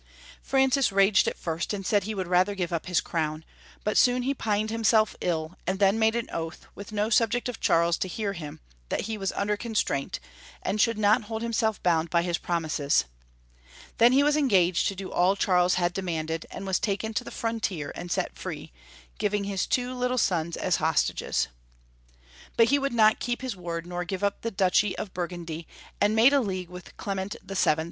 Francis raged at first and said he would rather give up his crown, but soon he pined himself ill, and then made an oath, with no subject of Charles to hear him, tliat he was under constraint, and should not hold himself bound by his promises. Then he engaged to do all Charles had demanded, and was taken to the frontier and set free, giving his two little sons as hostages. But he would not keep his word nor give up the duchy of Bui'gundy, and made a league with Clement VII.